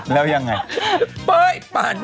แล้วยังไง